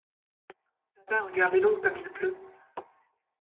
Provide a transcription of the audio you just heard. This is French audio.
Papa, regardez donc comme il pleut !